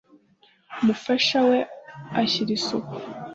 umufasha we ajyira isuku.